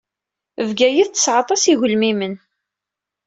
Bgayet tesɛa aṭas igelmimen.